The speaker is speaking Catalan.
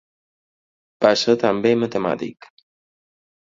Va ser també matemàtic.